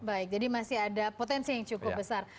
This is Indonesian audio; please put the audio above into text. baik jadi masih ada potensi yang cukup besar